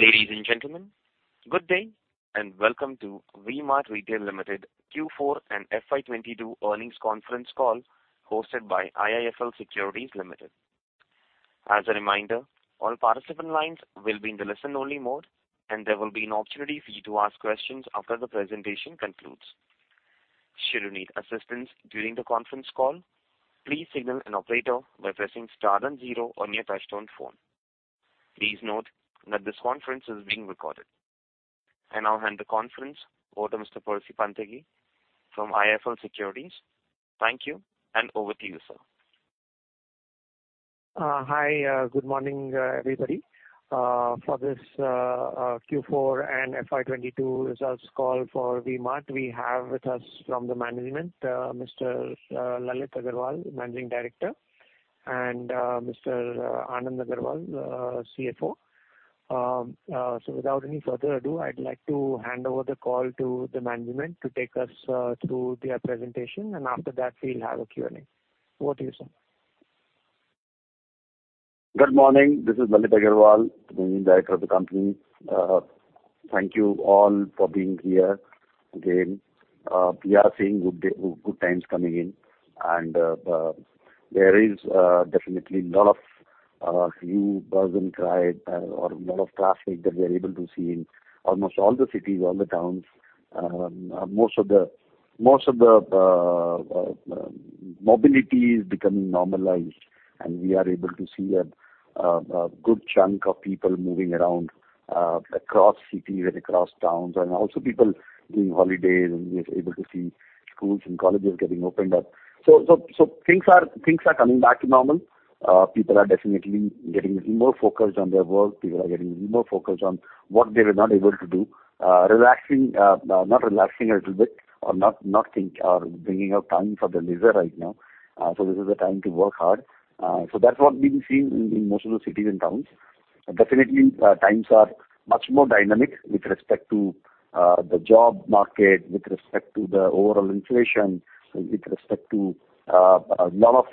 Ladies and gentlemen, good day, and welcome to V-Mart Retail Limited Q4 and FY 2022 earnings conference call hosted by IIFL Securities Limited. As a reminder, all participant lines will be in the listen only mode, and there will be an opportunity for you to ask questions after the presentation concludes. Should you need assistance during the conference call, please signal an operator by pressing star and zero on your touchtone phone. Please note that this conference is being recorded. I now hand the conference over to Mr. Percy Panthaki from IIFL Securities. Thank you, and over to you, sir. Hi. Good morning, everybody. For this Q4 and FY 2022 results call for V-Mart, we have with us from the management, Mr. Lalit Agarwal, Managing Director, and Mr. Anand Agarwal, CFO. Without any further ado, I'd like to hand over the call to the management to take us through their presentation, and after that we'll have a Q&A. Over to you, sir. Good morning. This is Lalit Agarwal, Managing Director of the company. Thank you all for being here again. We are seeing good times coming in, and there is definitely a lot of hype, buzz, and crowd, or a lot of traffic that we are able to see in almost all the cities, all the towns. Most of the mobility is becoming normalized, and we are able to see a good chunk of people moving around across cities and across towns, and also people doing holidays, and we are able to see schools and colleges getting opened up. Things are coming back to normal. People are definitely getting even more focused on their work. People are getting even more focused on what they were not able to do. Relaxing, not relaxing a little bit or not thinking or carving out time for their leisure right now. This is the time to work hard. That's what we've been seeing in most of the cities and towns. Definitely, times are much more dynamic with respect to the job market, with respect to the overall inflation, with respect to a lot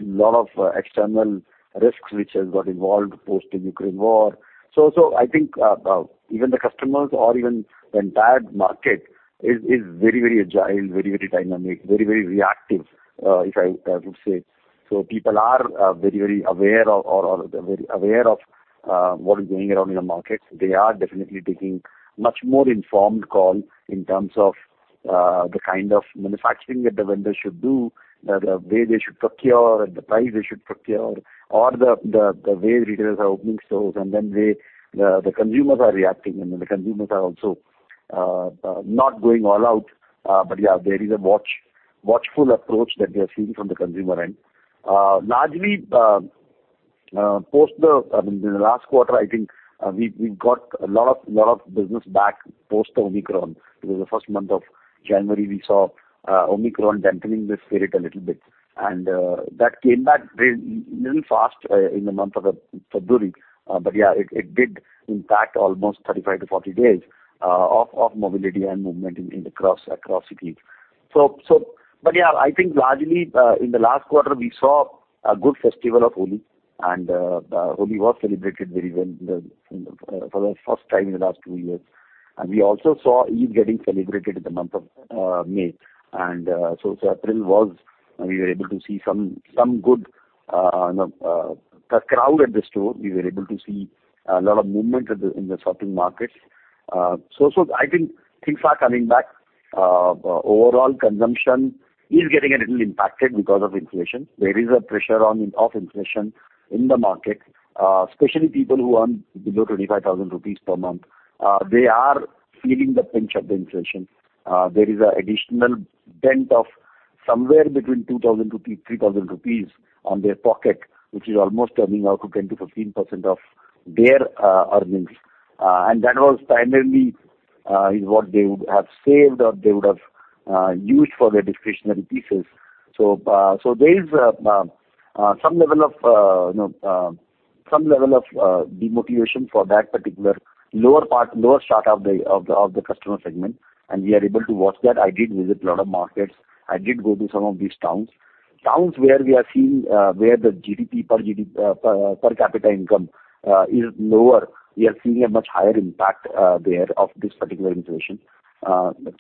of external risks which has got involved post the Ukraine war. I think even the customers or even the entire market is very, very agile, very, very dynamic, very, very reactive, if I would say. People are very aware of what is going around in the market. They are definitely taking much more informed call in terms of the kind of manufacturing that the vendors should do, the way they should procure, the price they should procure, or the way retailers are opening stores, and then the way the consumers are reacting. The consumers are also not going all out. There is a watchful approach that we are seeing from the consumer end. Largely post the last quarter, I think we got a lot of business back post the Omicron. It was the first month of January, we saw Omicron dampening the spirit a little bit, and that came back very little fast in the month of February. But it did impact almost 35-40 days of mobility and movement across cities. I think largely in the last quarter, we saw a good festival of Holi, and Holi was celebrated very well for the first time in the last two years. We also saw Eid getting celebrated in the month of May. April was. We were able to see some good crowd at the store. We were able to see a lot of movement in the shopping markets. I think things are coming back. Overall consumption is getting a little impacted because of inflation. There is pressure on account of inflation in the market, especially people who earn below 25,000 rupees per month. They are feeling the pinch of the inflation. There is an additional dent of somewhere between 2,000 rupees-INR3,000 in their pocket, which is almost turning out to 10%-15% of their earnings. And that is primarily what they would have saved or they would have used for their discretionary pieces. There is some level of, you know, demotivation for that particular lower part, lower strata of the customer segment, and we are able to watch that. I did visit a lot of markets. I did go to some of these towns. Towns where we are seeing where the GDP per capita income is lower, we are seeing a much higher impact there of this particular inflation.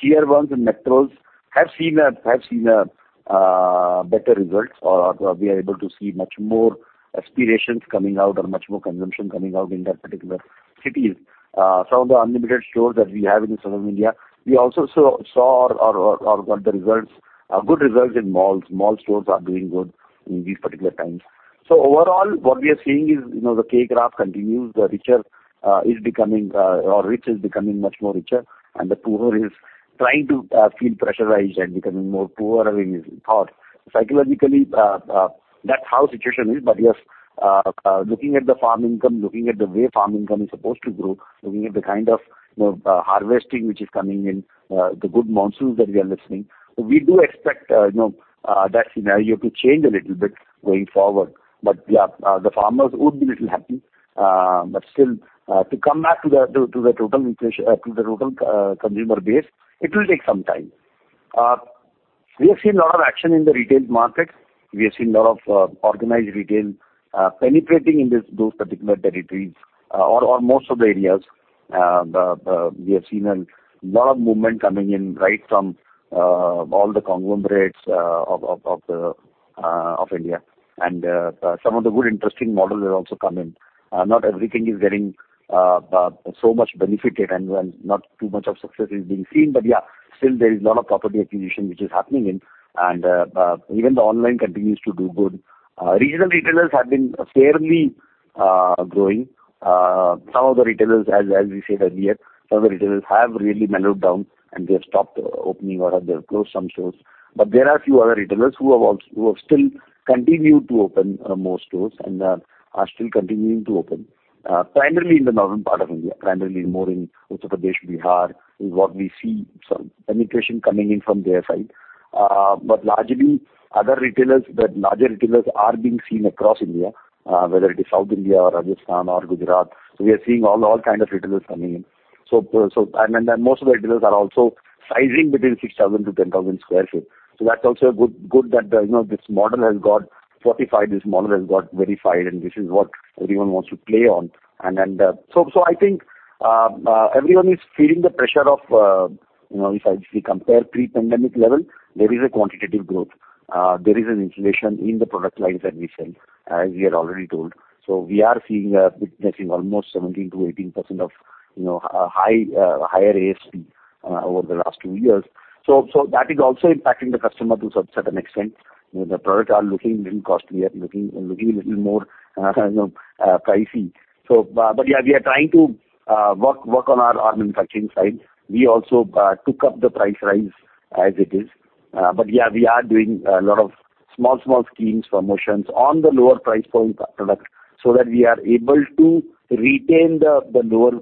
Tier Ones and metros have seen a better results, or we are able to see much more aspirations coming out or much more consumption coming out in that particular cities. Some of the Unlimited stores that we have in Southern India, we also saw or got good results in malls. Mall stores are doing good in these particular times. Overall, what we are seeing is, you know, the K-shaped recovery continues. The rich is becoming much more richer, and the poorer is trying to feel pressurized and becoming more poorer than he's thought. Psychologically, that's how situation is. Yes, looking at the farm income, looking at the way farm income is supposed to grow, looking at the kind of, you know, harvesting which is coming in, the good monsoons that we are listening, we do expect, you know, that scenario to change a little bit going forward. The farmers would be little happy. Still, to come back to the total inflation, to the total consumer base, it will take some time. We have seen a lot of action in the retail market. We have seen a lot of organized retail penetrating in those particular territories or most of the areas. We have seen a lot of movement coming in right from all the conglomerates of India. Some of the good interesting models have also come in. Not everything is getting so much benefited and not too much of success is being seen. Yeah, still there is a lot of property acquisition which is happening, and even the online continues to do good. Regional retailers have been fairly growing. Some of the retailers, as we said earlier, some of the retailers have really mellowed down, and they have stopped opening or have closed some stores. There are a few other retailers who have still continued to open more stores and are still continuing to open primarily in the northern part of India, primarily more in Uttar Pradesh, Bihar, is what we see some penetration coming in from their side. Largely other retailers, the larger retailers are being seen across India, whether it is South India or Rajasthan or Gujarat. We are seeing all kind of retailers coming in. Most of the retailers are also sizing between 6,000 sq ft-10,000 sq ft. That's also good that you know, this model has got fortified, this model has got verified, and this is what everyone wants to play on. I think everyone is feeling the pressure of, you know, if we compare pre-pandemic level, there is a quantitative growth. There is an inflation in the product lines that we sell, as we had already told. We are witnessing almost 17%-18% of, you know, higher ASP over the last two years. That is also impacting the customer to a certain extent. You know, the product are looking little costlier, looking a little more, you know, pricy. But yeah, we are trying to work on our manufacturing side. We also took up the price rise as it is. Yeah, we are doing a lot of small schemes, promotions on the lower price point products so that we are able to retain the lower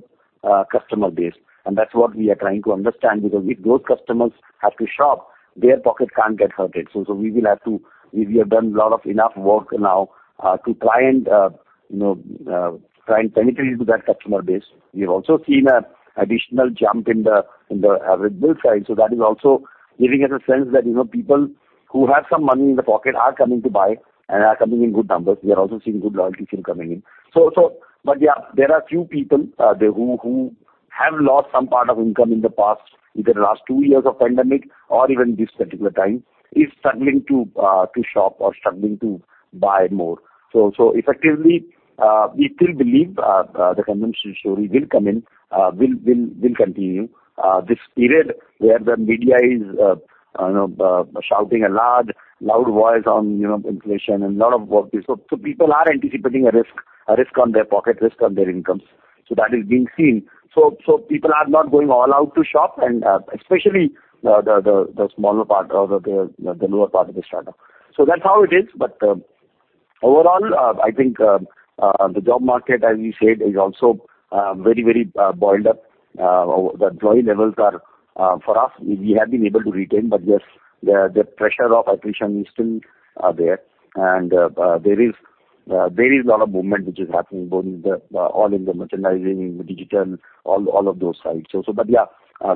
customer base. That's what we are trying to understand, because if those customers have to shop, their pocket can't get hurt. We will have to. We have done enough work now to try and, you know, penetrate into that customer base. We have also seen an additional jump in the RedBill side. That is also giving us a sense that, you know, people who have some money in the pocket are coming to buy and are coming in good numbers. We are also seeing good loyalty scheme coming in. Yeah, there are a few people who have lost some part of income in the past, either last two years of pandemic or even this particular time, is struggling to shop or struggling to buy more. Effectively, we still believe the consumption story will come in, will continue. This period where the media is, you know, shouting a loud voice on, you know, inflation and lot of work. People are anticipating a risk on their pocket, risk on their incomes. That is being seen. People are not going all out to shop, and especially the smaller part or the lower part of the strata. That's how it is. Overall, I think the job market, as we said, is also very boiling up. The employee levels are for us, we have been able to retain, but yes, the pressure of attrition is still there. There is a lot of movement which is happening in all the merchandising, in the digital, all of those sides. But yeah,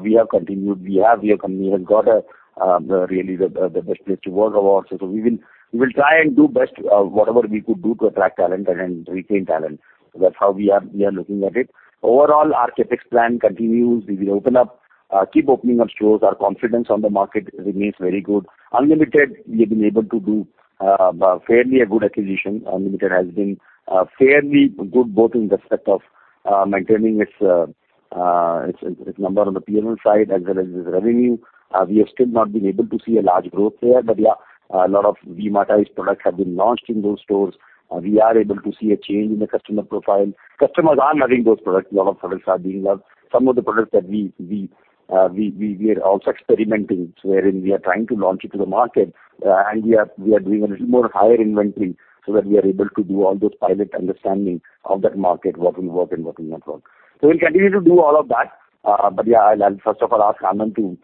we have continued and got really the best place to work awards. We will try and do our best, whatever we could do to attract talent and retain talent. That's how we are looking at it. Overall, our CapEx plan continues. We will open up, keep opening up stores. Our confidence on the market remains very good. Unlimited, we have been able to do fairly a good acquisition. Unlimited has been fairly good both in the step of maintaining its number on the P&L side as well as its revenue. We have still not been able to see a large growth there. Yeah, a lot of V-Martized products have been launched in those stores. We are able to see a change in the customer profile. Customers are loving those products. A lot of products are being loved. Some of the products that we are also experimenting, wherein we are trying to launch it to the market. We are doing a little more higher inventory so that we are able to do all those pilot understanding of that market, what will work and what will not work. We'll continue to do all of that. Yeah, I'll first of all ask Anand to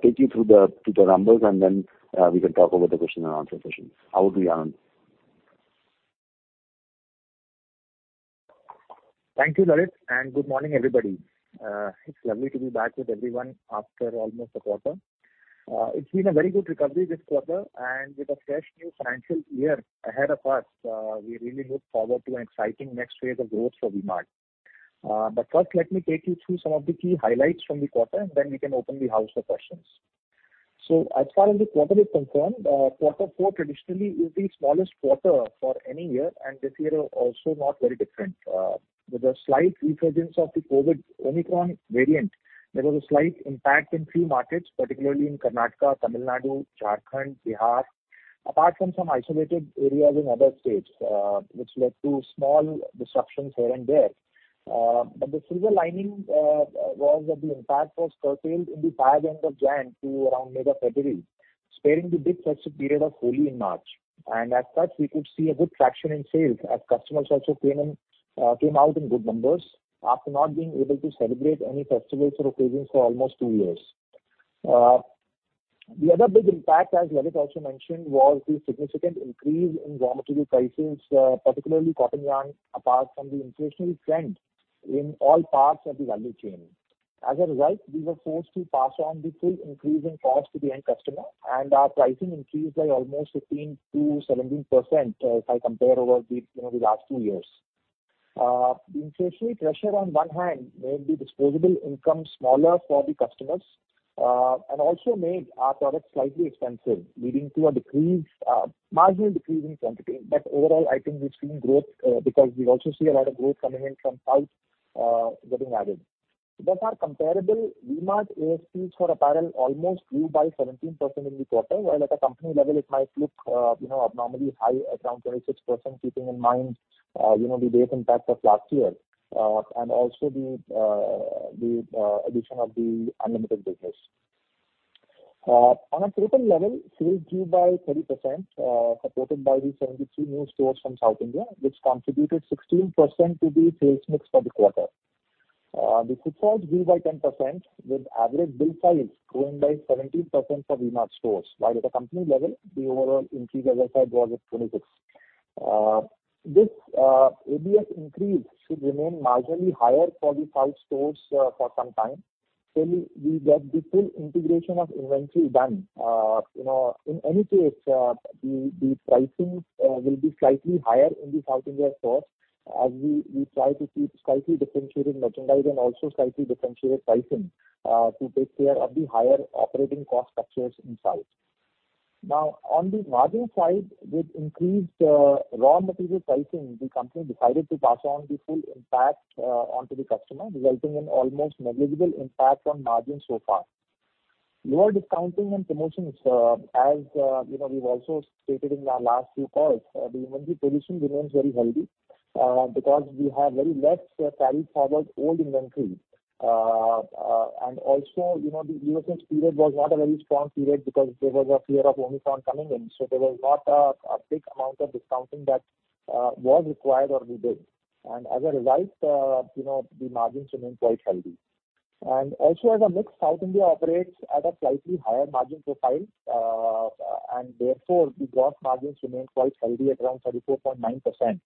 take you through the numbers, and then we can talk over the question and answer questions. Over to you, Anand. Thank you, Lalit, and good morning, everybody. It's lovely to be back with everyone after almost a quarter. It's been a very good recovery this quarter, and with a fresh new financial year ahead of us, we really look forward to an exciting next phase of growth for V-Mart. First, let me take you through some of the key highlights from the quarter, and then we can open the floor for questions. As far as the quarter is concerned, quarter four traditionally is the smallest quarter for any year, and this year also not very different. With a slight resurgence of the COVID Omicron variant, there was a slight impact in few markets, particularly in Karnataka, Tamil Nadu, Jharkhand, Bihar, apart from some isolated areas in other states, which led to small disruptions here and there. The silver lining was that the impact was curtailed in the fag end of January to around mid of February, sparing the big festive period of Holi in March. As such, we could see good traction in sales as customers also came out in good numbers after not being able to celebrate any festivals or occasions for almost two years. The other big impact, as Lalit also mentioned, was the significant increase in raw material prices, particularly cotton yarn, apart from the inflationary trend in all parts of the value chain. As a result, we were forced to pass on the full increase in cost to the end customer, and our pricing increased by almost 15%-17%, if I compare over the, you know, the last two years. The inflationary pressure on one hand made the disposable income smaller for the customers, and also made our products slightly expensive, leading to a marginal decrease in quantity. Overall, I think we've seen growth, because we also see a lot of growth coming in from South, getting added. Thus our comparable V-Mart ASPs for apparel almost grew by 17% in the quarter, while at a company level it might look, you know, abnormally high at around 26%, keeping in mind, you know, the base impact of last year, and also the addition of the Unlimited business. On a total level, sales grew by 30%, supported by the 73 new stores from South India, which contributed 16% to the sales mix for the quarter. The footfalls grew by 10%, with average bill size growing by 17% for V-Mart stores, while at a company level, the overall increase as I said was at 26. This ABS increase should remain marginally higher for the South stores, for some time till we get the full integration of inventory done. You know, in any case, the pricing will be slightly higher in the South India stores as we try to keep slightly differentiated merchandise and also slightly differentiated pricing to take care of the higher operating cost structures in South. Now, on the margin side, with increased raw material pricing, the company decided to pass on the full impact onto the customer, resulting in almost negligible impact on margin so far. Lower discounting and promotions, as you know, we've also stated in our last few calls, the inventory position remains very healthy because we have very less carried forward old inventory. Also, you know, the USA period was not a very strong period because there was a fear of Omicron coming in, so there was not a big amount of discounting that was required or we did. As a result, you know, the margins remained quite healthy. Also, as a mix, South India operates at a slightly higher margin profile, and therefore the gross margins remain quite healthy at around 34.9%,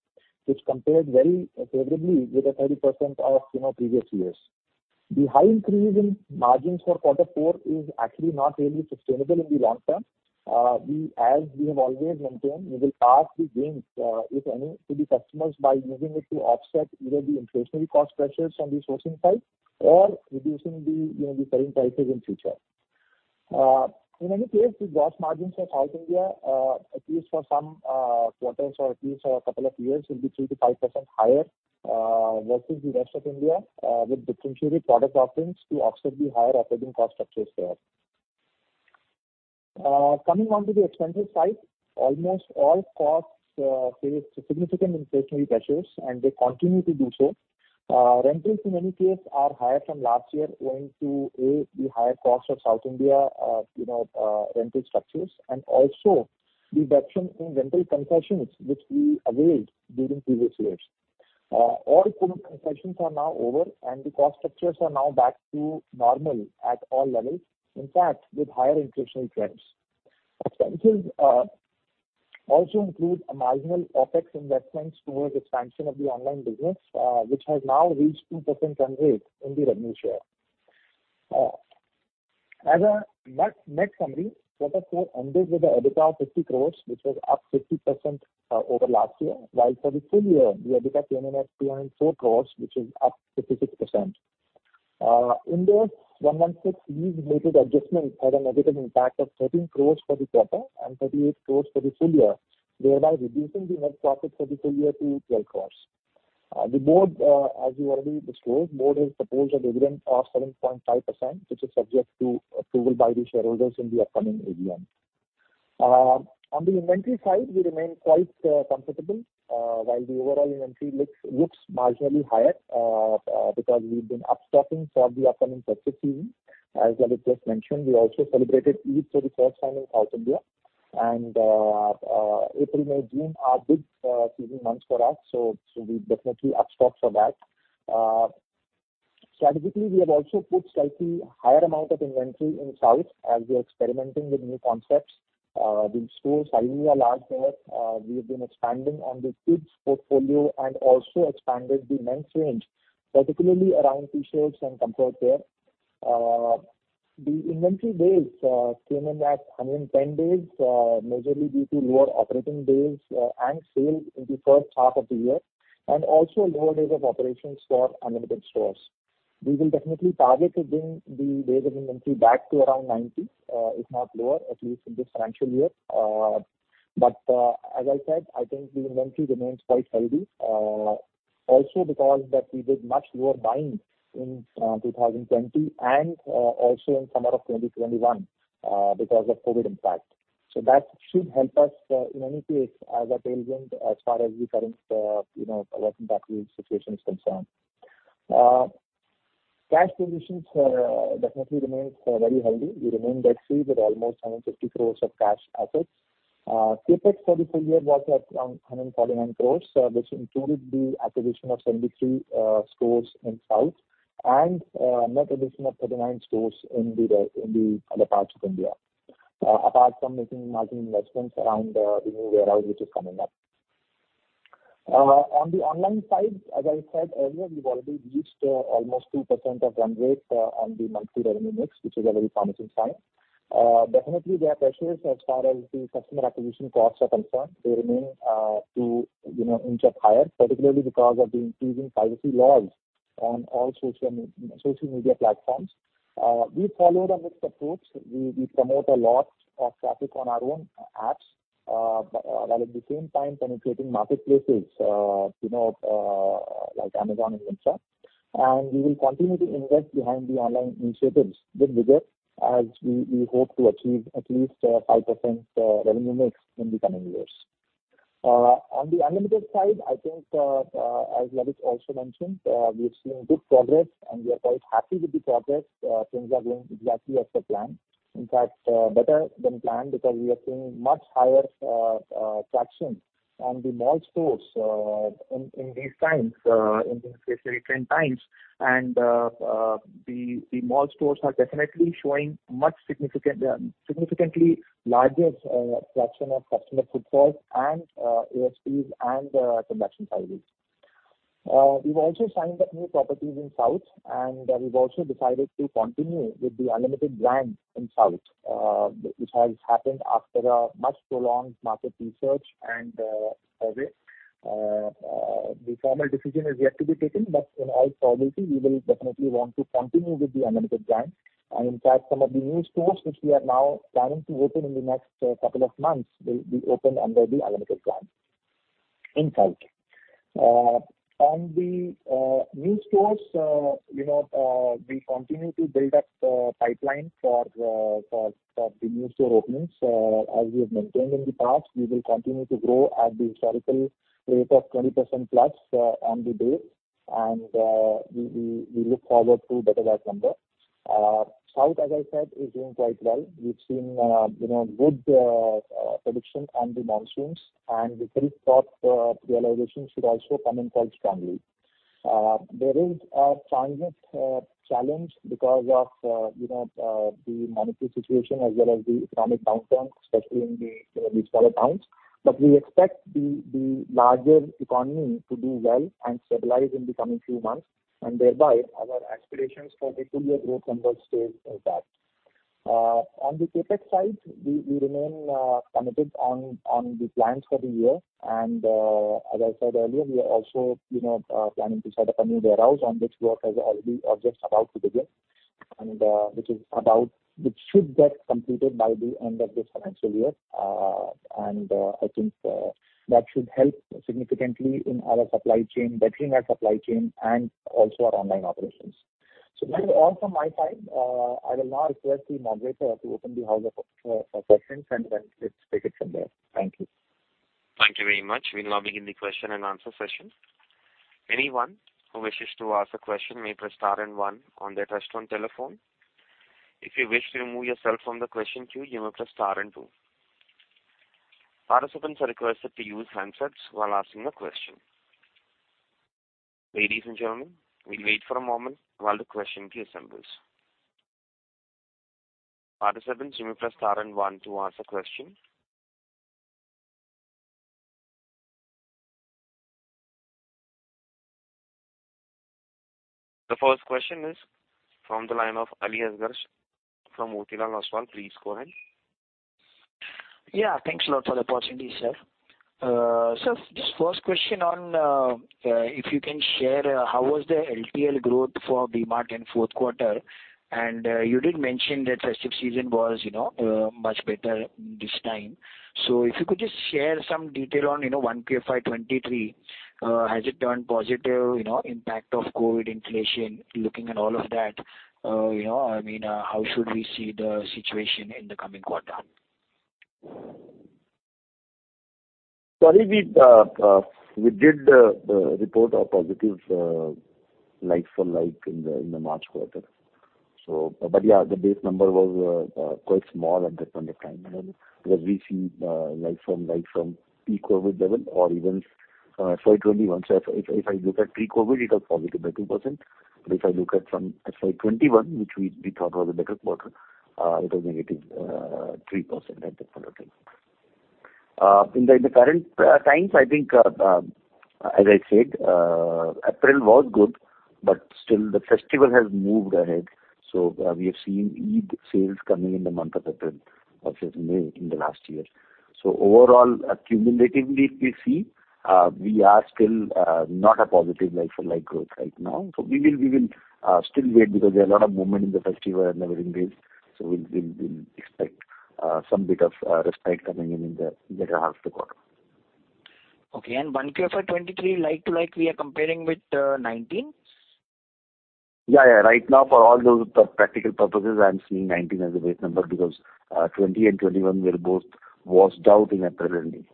which compares very favorably with the 30% of, you know, previous years. The high increase in margins for quarter four is actually not really sustainable in the long term. We, as we have always maintained, will pass the gains, if any, to the customers by using it to offset either the inflationary cost pressures on the sourcing side or reducing the, you know, the selling prices in future. In any case, the gross margins for South India, at least for some quarters or at least for a couple of years, will be 3%-5% higher versus the rest of India with differentiated product offerings to offset the higher operating cost structures there. Coming on to the expenses side, almost all costs faced significant inflationary pressures, and they continue to do so. Rentals in many cases are higher from last year owing to, A, the higher cost of South India, you know, rental structures, and also the reduction in rental concessions which we availed during previous years. All COVID concessions are now over, and the cost structures are now back to normal at all levels, in fact with higher inflationary trends. Expenses also include a marginal OpEx investments towards expansion of the online business, which has now reached 2% run rate in the revenue share. As a net summary, quarter four ended with an EBITDA of 50 crores, which was up 50% over last year. While for the full year, the EBITDA came in at 204 crores, which is up 56%. Ind AS 116 lease related adjustments had a negative impact of 13 crore for the quarter and 38 crore for the full year, thereby reducing the net profit for the full year to 12 crore. The board, as we already disclosed, has proposed a dividend of 7.5%, which is subject to approval by the shareholders in the upcoming AGM. On the inventory side, we remain quite comfortable. While the overall inventory looks marginally higher, because we've been upstocking for the upcoming festive season. As Lalit just mentioned, we also celebrated Eid for the first time in South India, and April, May, June are big season months for us, so we definitely upstocked for that. Strategically, we have also put slightly higher amount of inventory in South as we are experimenting with new concepts. The stores finally are larger. We have been expanding on the kids' portfolio and also expanded the men's range, particularly around T-shirts and comfort wear. The inventory days came in at 110 days, majorly due to lower operating days and sales in the first half of the year, and also lower days of operations for Unlimited stores. We will definitely target to bring the days of inventory back to around 90, if not lower, at least in this financial year. As I said, I think the inventory remains quite healthy, also because that we did much lower buying in 2020 and also in summer of 2021, because of COVID impact. That should help us in any case as a tailwind as far as the current, you know, working capital situation is concerned. Cash positions definitely remain very healthy. We remain debt-free with almost 750 crores of cash assets. CapEx for the full year was at around 149 crores, which included the acquisition of 73 stores in South and net addition of 39 stores in the other parts of India. Apart from making major investments around the new warehouse which is coming up. On the online side, as I said earlier, we've already reached almost 2% of run rate on the monthly revenue mix, which is a very promising sign. Definitely there are pressures as far as the customer acquisition costs are concerned. They remain, you know, to inch up higher, particularly because of the increasing privacy laws on all social media platforms. We followed a mixed approach. We promote a lot of traffic on our own apps, but while at the same time penetrating marketplaces, you know, like Amazon and Myntra. We will continue to invest behind the online initiatives bit bigger as we hope to achieve at least 5% revenue mix in the coming years. On the Unlimited side, I think, as Lalit also mentioned, we're seeing good progress, and we are quite happy with the progress. Things are going exactly as per plan. In fact, better than planned because we are seeing much higher traction on the mall stores in these inflationary trend times. The mall stores are definitely showing significantly larger traction of customer footfalls and ABVs and transaction sizes. We've also signed up new properties in South, and we've also decided to continue with the Unlimited brand in South, which has happened after a much prolonged market research and survey. The formal decision is yet to be taken, but in all probability, we will definitely want to continue with the Unlimited brand. In fact, some of the new stores which we are now planning to open in the next couple of months will be opened under the Unlimited brand in South. On the new stores, you know, we continue to build up the pipeline for the new store openings. As we have maintained in the past, we will continue to grow at the historical rate of 20%+ annually, and we look forward to beat that number. South, as I said, is doing quite well. We've seen, you know, good traction on the monsoons, and the pre-monsoon realization should also come in quite strongly. There is a transient challenge because of, you know, the monsoon situation as well as the economic downturn, especially in, you know, these smaller towns. We expect the larger economy to do well and stabilize in the coming few months, and thereby our aspirations for the full year growth numbers stay intact. On the CapEx side, we remain committed on the plans for the year. As I said earlier, we are also, you know, planning to set up a new warehouse on which work has or just about to begin, and which should get completed by the end of this financial year. I think that should help significantly in our supply chain, bettering our supply chain and also our online operations. That is all from my side. I will now request the moderator to open the house up for questions, and then let's take it from there. Thank you. Thank you very much. We'll now begin the question and answer session. Anyone who wishes to ask a question may press star and one on their touchtone telephone. If you wish to remove yourself from the question queue, you may press star and two. Participants are requested to use handsets while asking a question. Ladies and gentlemen, we'll wait for a moment while the question queue assembles. Participants, you may press star and one to ask a question. The first question is from the line of Aliasgar Shakir from Motilal Oswal. Please go ahead. Yeah. Thanks a lot for the opportunity, sir. Sir, just first question on, if you can share, how was the LTL growth for V-Mart in fourth quarter? You did mention that festive season was, you know, much better this time. If you could just share some detail on, you know, 1Q FY2023, has it turned positive, you know, impact of COVID inflation, looking at all of that, you know, I mean, how should we see the situation in the coming quarter? Sorry, we did report a positive like for like in the March quarter. Yeah, the base number was quite small at that point of time. Then because we've seen like from pre-COVID level or even FY 2021. If I look at pre-COVID, it was positive by 2%, but if I look at from FY 2021, which we thought was a better quarter, it was negative 3% at that point of time. In the current times, I think, as I said, April was good, but still the festival has moved ahead. We have seen Eid sales coming in the month of April versus May in the last year. Overall, accumulatively, if we see, we are still not a positive like-for-like growth right now. We will still wait because there are a lot of movement in the festival and everything is. We'll expect some bit of respite coming in in the latter half of the quarter. Okay. 1Q FY23 like-to-like we are comparing with 19? Yeah, yeah. Right now, for all those practical purposes, I am seeing 19 as a base number because 20 and 21 were both washed out in April and May. Right.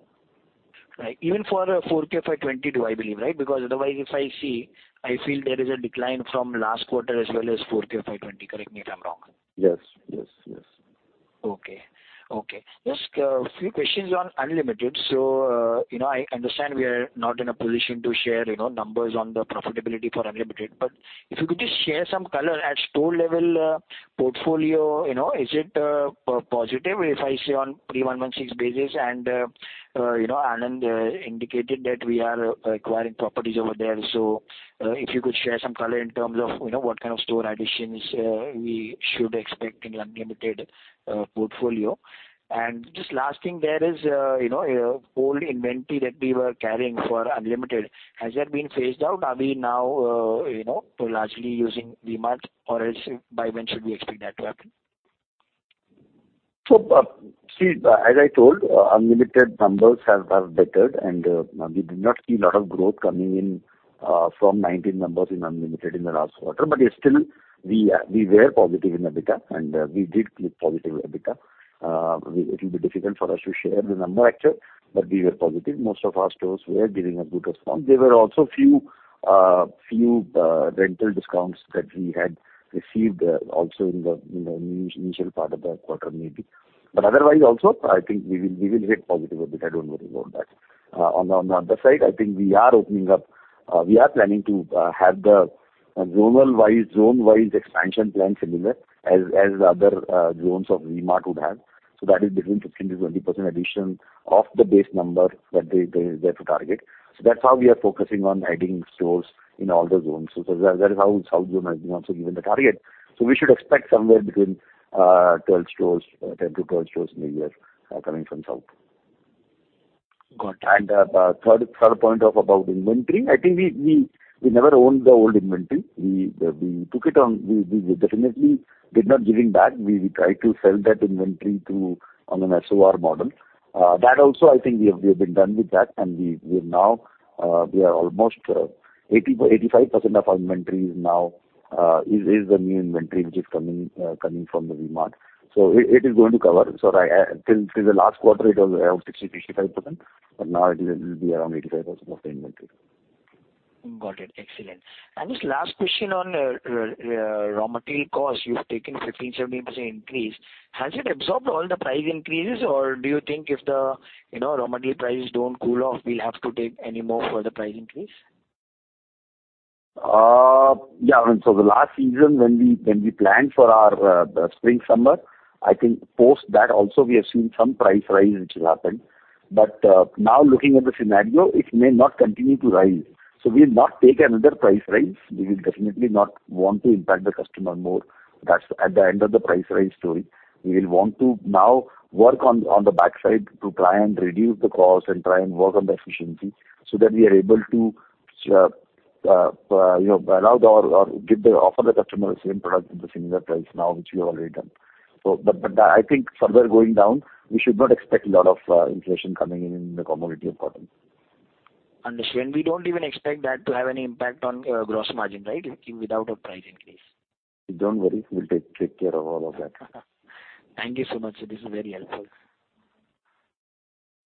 Even for 4Q FY2020, do I believe, right? Because otherwise if I see, I feel there is a decline from last quarter as well as 4Q FY2020. Correct me if I'm wrong. Yes. Okay. Just a few questions on Unlimited. You know, I understand we are not in a position to share, you know, numbers on the profitability for Unlimited. If you could just share some color at store level portfolio, you know, is it positive if I say on pre-Ind AS 116 basis? You know, Anand indicated that we are acquiring properties over there. If you could share some color in terms of, you know, what kind of store additions we should expect in Unlimited portfolio? Just last thing there is old inventory that we were carrying for Unlimited. Has that been phased out? Are we now, you know, largely using V-Martized or by when should we expect that to happen? See, as I told, Unlimited numbers have bettered, and we did not see a lot of growth coming in from 19 numbers in Unlimited in the last quarter. Still, we were positive in EBITDA, and we did keep positive EBITDA. It will be difficult for us to share the number actually, but we were positive. Most of our stores were giving a good response. There were also few rental discounts that we had received also in the initial part of the quarter maybe. Otherwise also, I think we will hit positive EBITDA, don't worry about that. On the other side, I think we are opening up, we are planning to have the zone-wise expansion plan similar as other zones of V-Mart would have. That is between 15%-20% addition of the base number that they have to target. That's how we are focusing on adding stores in all the zones. That is how South zone has been also given the target. We should expect somewhere between 10-12 stores in a year, coming from South. Got it. Third point about inventory, I think we never owned the old inventory. We took it on. We definitely did not give back. We tried to sell that inventory on an SOR model. That also, I think we have been done with that, and we have now we are almost 80%-85% of our inventory is now the new inventory which is coming from the V-Mart. It is going to cover. Till the last quarter it was around 60-65%, but now it is, it will be around 85% of the inventory. Got it. Excellent. Just last question on raw material costs. You've taken 15%-17% increase. Has it absorbed all the price increases or do you think if the, you know, raw material prices don't cool off, we'll have to take any more further price increase? The last season when we planned for our spring/summer, I think post that also we have seen some price rise which has happened. Now looking at the scenario, it may not continue to rise. We'll not take another price rise. We will definitely not want to impact the customer more. That's at the end of the price rise story. We will want to now work on the backside to try and reduce the cost and try and work on the efficiency so that we are able to, you know, offer the customer the same product at the similar price now which we have already done. I think further going down we should not expect a lot of inflation coming in the commodity importantly. Understood. We don't even expect that to have any impact on gross margin, right? Even without a price increase. Don't worry, we'll take care of all of that. Thank you so much, sir. This is very helpful.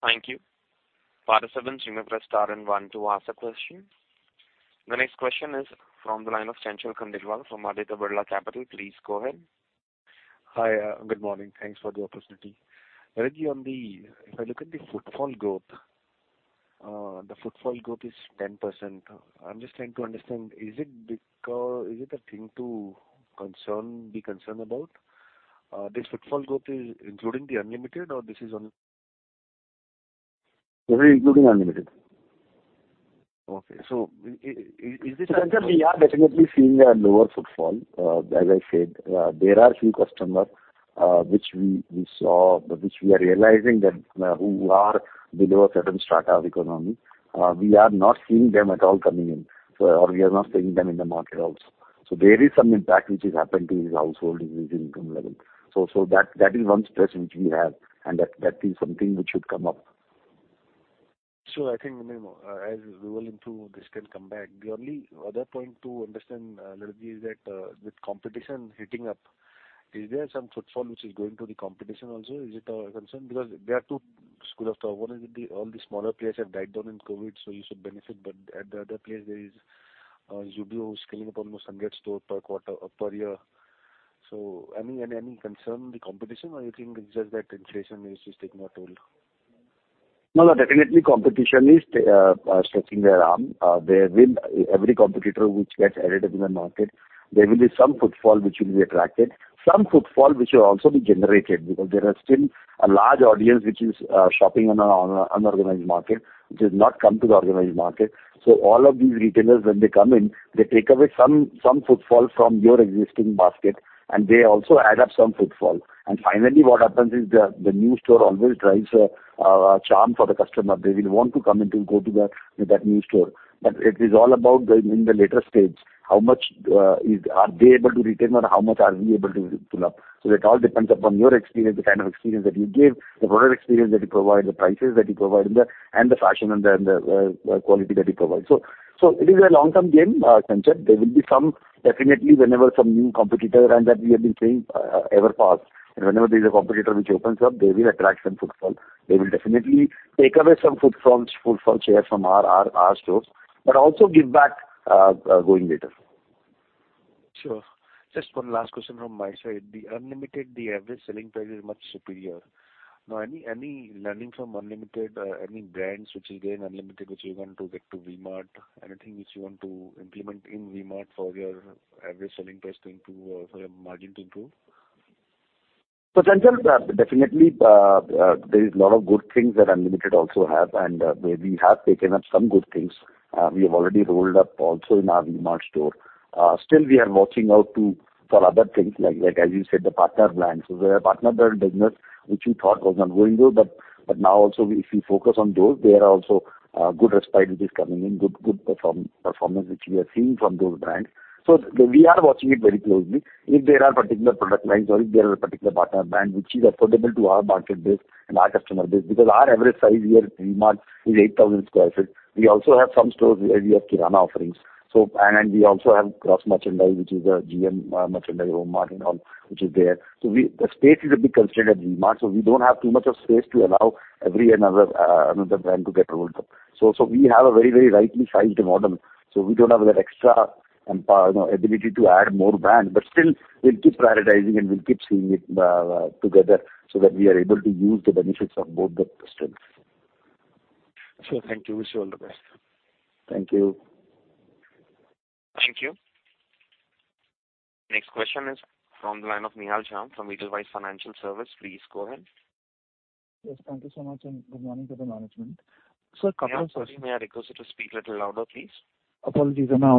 Thank you. Operator, please press star one to ask a question. The next question is from the line of Chanchal Khandelwal from Aditya Birla Capital. Please go ahead. Hi. Good morning. Thanks for the opportunity. Really, on the footfall growth. If I look at the footfall growth, the footfall growth is 10%. I'm just trying to understand, is it a thing to be concerned about? This footfall growth is including the Unlimited or this is This is including Unlimited. Okay. Is this? Chanchal, we are definitely seeing a lower footfall. As I said, there are few customers which we saw which we are realizing that who are below a certain strata of economy. We are not seeing them at all coming in, or we are not seeing them in the market also. There is some impact which has happened to these household with income level. That is one stress which we have and that is something which should come up. I think, you know, as we will improve this can come back. The only other point to understand, really is that, with competition heating up, is there some footfall which is going to the competition also? Is it a concern? Because there are two schools of thought. One is the, all the smaller players have died down in COVID, so you should benefit. But at the other place there is, Zudio scaling up almost 100 stores per quarter, per year. So any concern the competition or you think it's just that inflation is just taking a toll? No, no, definitely competition is stretching their arm. There will be some footfall which will be attracted, some footfall which will also be generated because there are still a large audience which is shopping on a unorganized market which has not come to the organized market. All of these retailers when they come in, they take away some footfall from your existing basket and they also add up some footfall. Finally what happens is the new store always drives a charm for the customer. They will want to come in to go to that new store. It is all about in the later stage how much are they able to retain or how much are we able to pull up. It all depends upon your experience, the kind of experience that you give, the product experience that you provide, the prices that you provide and the fashion and the quality that you provide. It is a long-term game, Chanchal. Definitely whenever some new competitor, and that we have been seeing over the past, and whenever there is a competitor which opens up they will attract some footfall. They will definitely take away some footfall share from our stores, but also give back going later. Sure. Just one last question from my side. The Unlimited, the average selling price is much superior. Now, any learning from Unlimited, any brands which is there in Unlimited which you want to get to V-Mart? Anything which you want to implement in V-Mart for your average selling price to improve or for your margin to improve? Chanchal, yeah, definitely, there is a lot of good things that Unlimited also have, and we have taken up some good things. We have already rolled out also in our V-Mart store. Still we are watching out for other things like as you said, the partner brands. We have partner brand business which we thought was not going good, but now also if we focus on those, there are also good responses coming in, good performance which we are seeing from those brands. We are watching it very closely. If there are particular product lines or if there are particular partner brand which is affordable to our market base and our customer base, because our average size here at V-Mart is 8,000 sq ft. We also have some stores where we have kirana offerings. We also have cross merchandise, which is a GM merchandise, Omart and all, which is there. The space is a bit constrained at V-Mart, so we don't have too much of space to allow every other brand to get rolled up. We have a very rightly sized model, so we don't have that extra ability to add more brand. We'll keep prioritizing and we'll keep seeing it together, so that we are able to use the benefits of both the strengths. Sure. Thank you. Wish you all the best. Thank you. Thank you. Next question is from the line of Nihal Jham from Edelweiss Financial Services. Please go ahead. Yes. Thank you so much, and good morning to the management. Nihal, sorry, may I request you to speak little louder, please? Apologies. Am I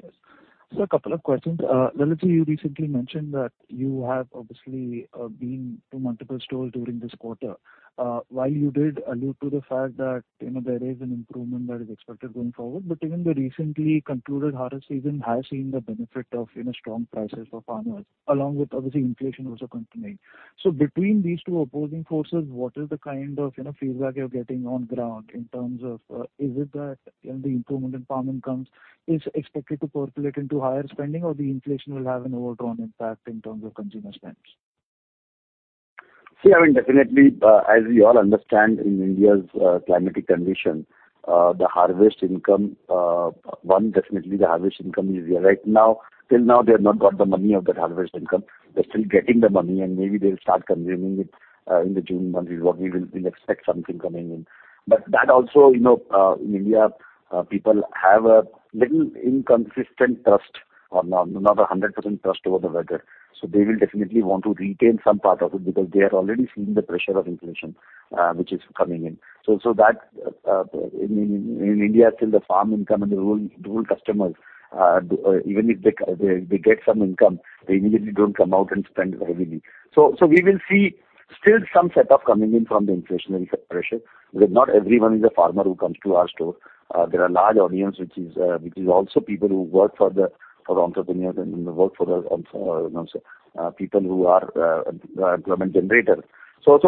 audible now? Yes. Yes. A couple of questions. Lalit, you recently mentioned that you have obviously been to multiple stores during this quarter. While you did allude to the fact that, you know, there is an improvement that is expected going forward, but even the recently concluded harvest season has seen the benefit of, you know, strong prices for farmers, along with obviously inflation also continuing. Between these two opposing forces, what is the kind of, you know, feedback you're getting on ground in terms of, is it that, you know, the improvement in farm incomes is expected to percolate into higher spending or the inflation will have an overall impact in terms of consumer spends? See, I mean, definitely, as we all understand in India's climatic condition, the harvest income is there. Definitely, the harvest income is there. Right now, till now they have not got the money of that harvest income. They're still getting the money, and maybe they'll start consuming it in the June month. That's what we'll expect, something coming in. But that also, you know, in India, people have a little inconsistent trust or not a hundred percent trust over the weather. So they will definitely want to retain some part of it because they are already feeling the pressure of inflation, which is coming in. So that, in India still the farm income and the rural customers, even if they get some income, they immediately don't come out and spend heavily. We will see still some setback coming in from the inflationary pressure, because not everyone is a farmer who comes to our store. There are large audience which is also people who work for entrepreneurs and work for the entrepreneur, people who are employment generator. Still,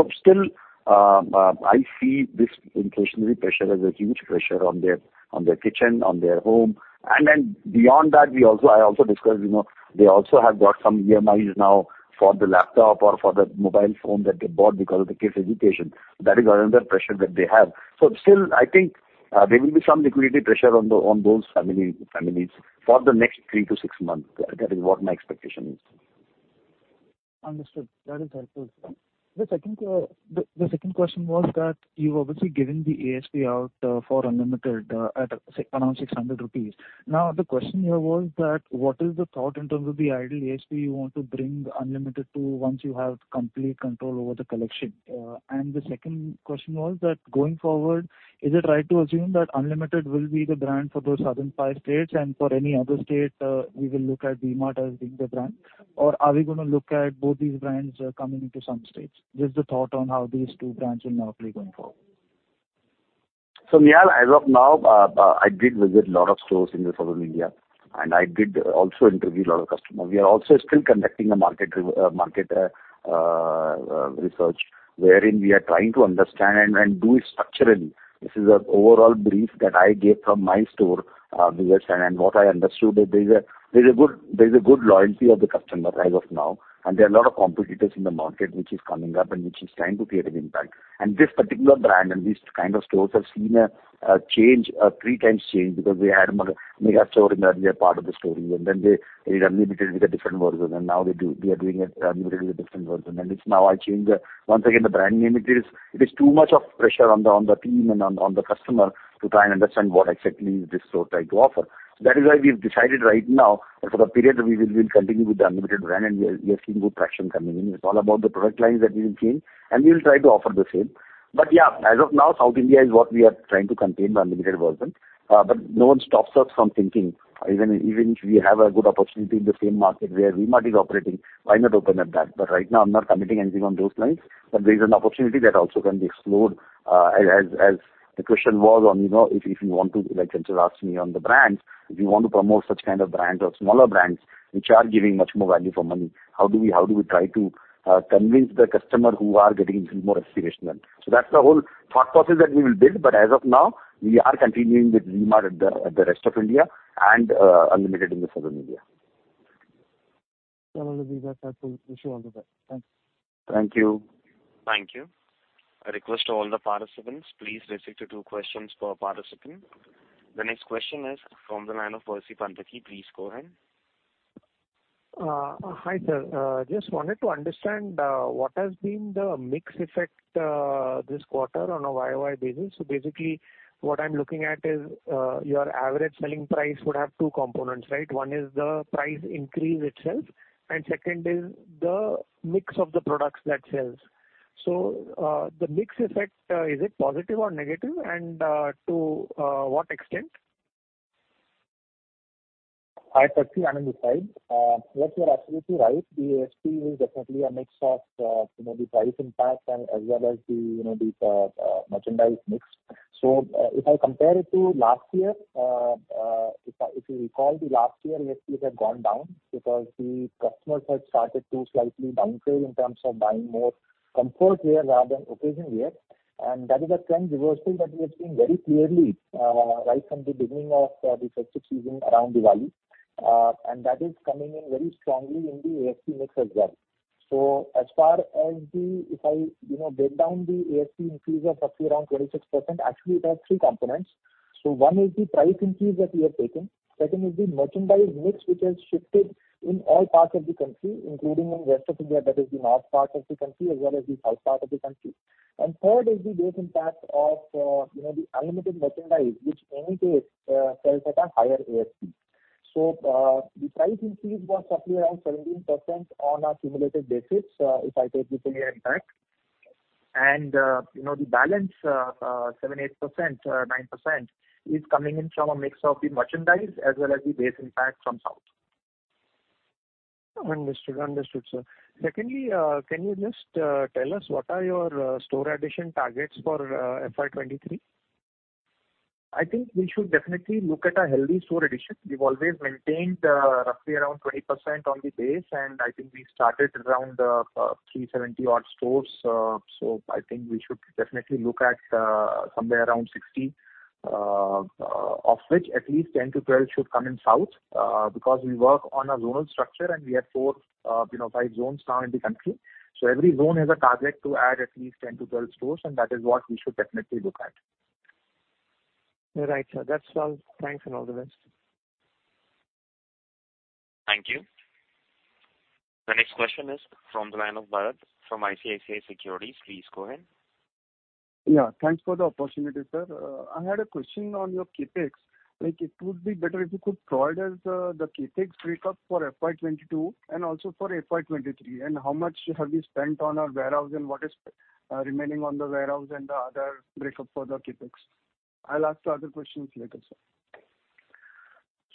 I see this inflationary pressure as a huge pressure on their kitchen, on their home. Then beyond that I also discussed, you know, they also have got some EMIs now for the laptop or for the mobile phone that they bought because of the kids education. That is another pressure that they have. Still, I think there will be some liquidity pressure on those families for the next 3-6 months. That is what my expectation is. Understood. That is helpful. The second question was that you've obviously given the ASP out for Unlimited at around 600 rupees. Now, the question here was that what is the thought in terms of the ideal ASP you want to bring Unlimited to once you have complete control over the collection? The second question was that going forward, is it right to assume that Unlimited will be the brand for those southern five states and for any other state, we will look at V-Mart as being the brand? Or are we gonna look at both these brands coming into some states? Just the thought on how these two brands will now play going forward? Nihal, as of now, I did visit a lot of stores in the Southern India, and I did also interview a lot of customers. We are also still conducting a market research wherein we are trying to understand and do it structurally. This is an overall brief that I gave from my store business and what I understood that there is a good loyalty of the customer as of now, and there are a lot of competitors in the market which is coming up and which is trying to create an impact. This particular brand and these kind of stores have seen a change, a three times change because we had mega store in the earlier part of the story, and then they did Unlimited with a different version, and now they are doing it with a different version. It's now a change once again the brand name. It is too much of pressure on the team and on the customer to try and understand what exactly this store try to offer. That is why we've decided right now and for the period we will continue with the Unlimited brand and we are seeing good traction coming in. It's all about the product lines that we will change and we will try to offer the same. Yeah, as of now, South India is what we are trying to contain the Unlimited version. No one stops us from thinking even if we have a good opportunity in the same market where V-Mart is operating, why not open up that? Right now I'm not committing anything on those lines. There is an opportunity that also can be explored, as the question was on, you know, if you want to, like Chanchal asked me on the brands, if you want to promote such kind of brands or smaller brands which are giving much more value for money, how do we try to convince the customer who are getting a little more aspirational? That's the whole thought process that we will build. As of now we are continuing with V-Mart at the rest of India and Unlimited in the Southern India. Some of the visa have to issue all the time. Thanks. Thank you. Thank you. A request to all the participants, please restrict to two questions per participant. The next question is from the line of Percy Panthaki. Please go ahead. Hi, sir. Just wanted to understand what has been the mix effect this quarter on a YOY basis? Basically what I'm looking at is your average selling price would have two components, right? One is the price increase itself, and second is the mix of the products that sells. The mix effect is it positive or negative, and to what extent? Hi, Sakshi. Anand Agarwal. Yes, you are absolutely right. The ASP is definitely a mix of, you know, the price impact and as well as the, you know, the, merchandise mix. If I compare it to last year, if you recall the last year, ASPs had gone down because the customers had started to slightly downgrade in terms of buying more comfort wear rather than occasion wear. That is a trend reversal that we have seen very clearly, right from the beginning of, the festive season around Diwali. That is coming in very strongly in the ASP mix as well. If I, you know, break down the ASP increase of roughly around 26%, actually it has three components. One is the price increase that we have taken. Second is the merchandise mix, which has shifted in all parts of the country, including in West of India, that is the north part of the country as well as the south part of the country. Third is the base impact of, you know, the Unlimited merchandise which only takes sales at a higher ASP. The price increase was roughly around 17% on a simulated basis, if I take the full year impact. You know, the balance 7%, 8%, 9% is coming in from a mix of the merchandise as well as the base impact from South. Understood, sir. Secondly, can you just tell us what are your store addition targets for FY 2023? I think we should definitely look at a healthy store addition. We've always maintained roughly around 20% on the base, and I think we started around 370-odd stores. I think we should definitely look at somewhere around 60, of which at least 10-12 should come in South, because we work on a zonal structure and we have four, you know, five zones now in the country. Every zone has a target to add at least 10-12 stores, and that is what we should definitely look at. You're right, sir. That's all. Thanks, and all the best. Thank you. The next question is from the line of Bharat from ICICI Securities. Please go ahead. Yeah, thanks for the opportunity, sir. I had a question on your CapEx. Like, it would be better if you could provide us the CapEx breakup for FY 2022 and also for FY 2023, and how much have you spent on a warehouse and what is remaining on the warehouse and the other breakup for the CapEx? I'll ask the other questions later, sir.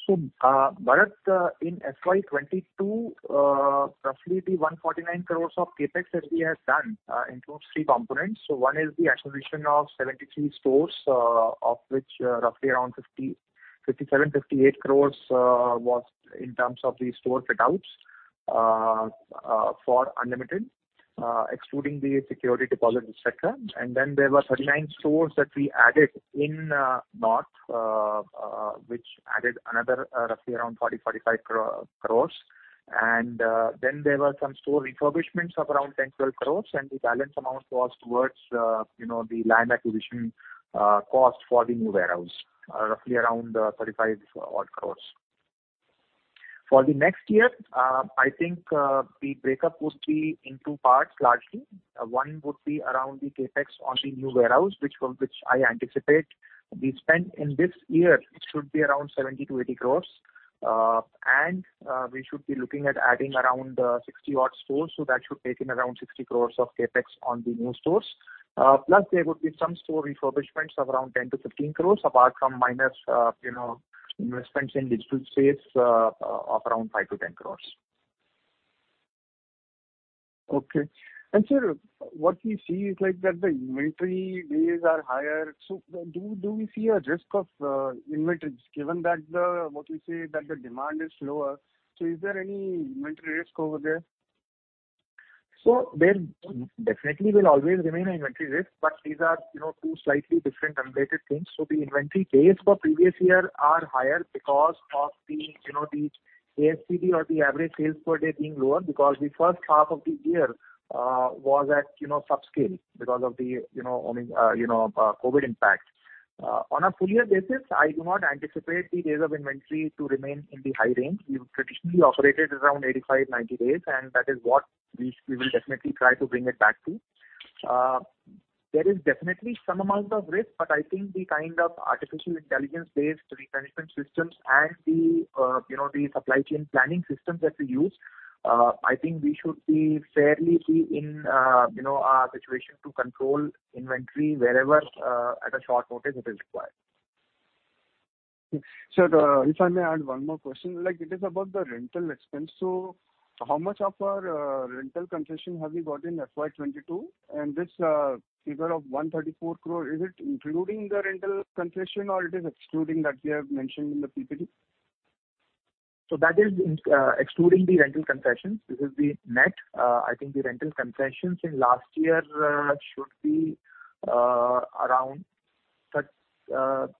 Bharat, in FY 2022, roughly the 149 crores of CapEx that we have done includes three components. One is the acquisition of 73 stores, of which, roughly around 57 crores-INR58 crores was in terms of the store fit-outs for Unlimited, excluding the security deposit, et cetera. Then there were 39 stores that we added in north, which added another, roughly around 40-45 crores. Then there were some store refurbishments of around 10 crores-12 crores, and the balance amount was towards, you know, the land acquisition cost for the new warehouse, roughly around 35-odd crores. For the next year, I think the breakup would be in two parts, largely. One would be around the CapEx on the new warehouse, which I anticipate the spend in this year should be around 70-80 crores. We should be looking at adding around 60-odd stores, so that should take in around 60 crores of CapEx on the new stores. Plus there would be some store refurbishments of around 10-15 crores, apart from minor, you know, investments in digital space of around 5-10 crores. Okay. Sir, what we see is like that the inventory days are higher. Do we see a risk of inventory, given that as you say, the demand is lower, so is there any inventory risk over there? There definitely will always remain an inventory risk, but these are, you know, two slightly different unrelated things. The inventory days for previous year are higher because of the, you know, the ASPD or the average sales per day being lower because the first half of the year was at, you know, subscale because of the, you know, I mean, you know, COVID impact. On a full year basis, I do not anticipate the days of inventory to remain in the high range. We've traditionally operated around 85, 90 days, and that is what we will definitely try to bring it back to. There is definitely some amount of risk, but I think the kind of artificial intelligence-based replenishment systems and the, you know, the supply chain planning systems that we use, I think we should be fairly secure in, you know, a situation to control inventory wherever, at a short notice it is required. Sir, if I may add one more question, like it is about the rental expense. How much of our rental concession have you got in FY 2022? This figure of 134 crore, is it including the rental concession or it is excluding that you have mentioned in the PPT? That is excluding the rental concessions. This is the net. I think the rental concessions in last year should be around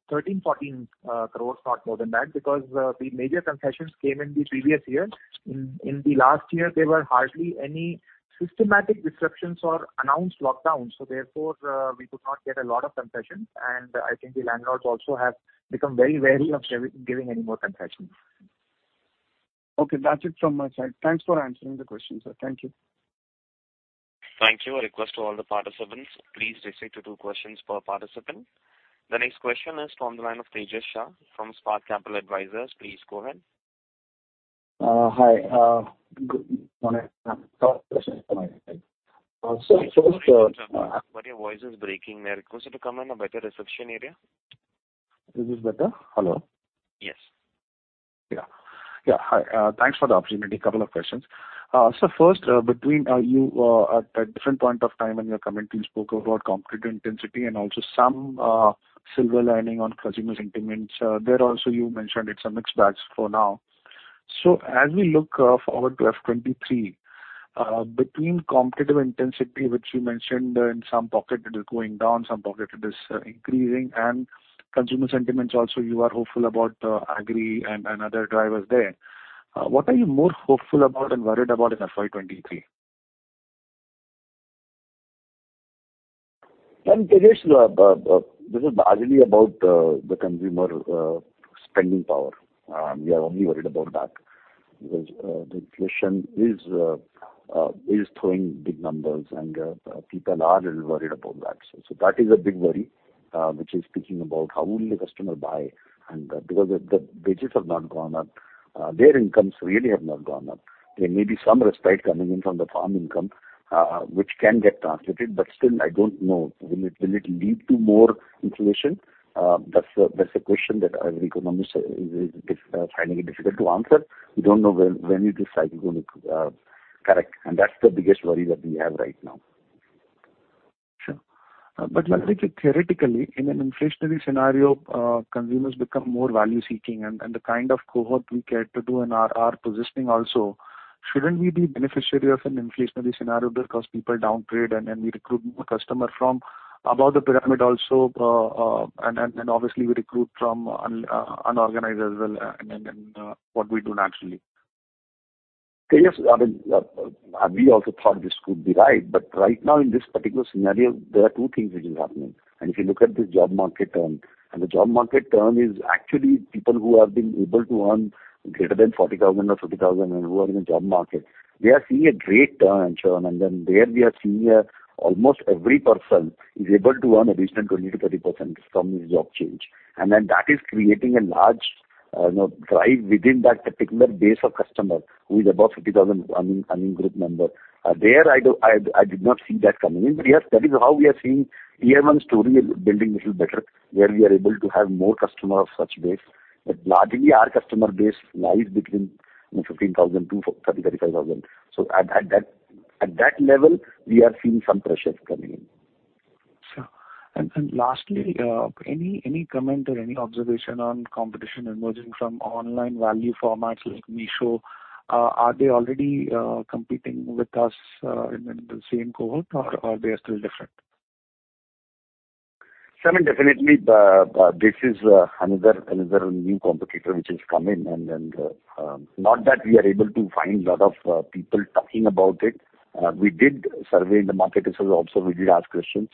13 crores-14 crores, not more than that, because the major concessions came in the previous year. In the last year, there were hardly any systematic disruptions or announced lockdowns, so therefore, we could not get a lot of concessions. I think the landlords also have become very wary of giving any more concessions. Okay. That's it from my side. Thanks for answering the question, sir. Thank you. Thank you. A request to all the participants, please restrict to two questions per participant. The next question is from the line of Tejas Shah from Spark Capital Advisors. Please go ahead. Hi. Good morning. First question, so first, Sorry to interrupt, but your voice is breaking there. Could you come in a better reception area? Is this better? Hello. Yes. Yeah. Hi, thanks for the opportunity. A couple of questions. First, between you at different point of time in your comment, you spoke about competitive intensity and also some silver lining on consumer sentiments. There also you mentioned it's a mixed bag for now. As we look forward to FY 2023, between competitive intensity, which you mentioned in some pockets it is going down, some pockets it is increasing, and consumer sentiments also you are hopeful about agri and other drivers there, what are you more hopeful about and worried about in FY 2023? Tejas, this is largely about the consumer spending power. We are only worried about that because the inflation is throwing big numbers and people are a little worried about that. That is a big worry which is speaking about how will a customer buy and because the wages have not gone up their incomes really have not gone up. There may be some respite coming in from the farm income which can get translated, but still, I don't know, will it lead to more inflation. That's a question that every economist is finding it difficult to answer. We don't know when it is cyclically correct, and that's the biggest worry that we have right now. Sure. Largely theoretically, in an inflationary scenario, consumers become more value-seeking and the kind of cohort we cater to and are positioning also, shouldn't we be beneficiary of an inflationary scenario because people downgrade and then we recruit more customer from above the pyramid also, and obviously we recruit from unorganized as well, and what we do naturally. Tejas, I mean, we also thought this could be right, but right now in this particular scenario, there are two things which is happening. If you look at the job market churn, and the job market churn is actually people who have been able to earn greater than 40,000 or 50,000 and who are in the job market, we are seeing a great churn, and then there we are seeing almost every person is able to earn additional 20%-30% from this job change. Then that is creating a large, you know, drive within that particular base of customer who is above 50,000 earning group member. There, I did not see that coming in. Yes, that is how we are seeing Tier 1 story building little better, where we are able to have more customer of such base. Largely our customer base lies between, you know, 15,000 to 35,000. At that level, we are seeing some pressures coming in. Sure. Lastly, any comment or any observation on competition emerging from online value formats like Meesho? Are they already competing with us in the same cohort or are they still different? Sure, I mean, definitely this is another new competitor which has come in and not that we are able to find a lot of people talking about it. We did a survey in the market as well. Also we did ask questions.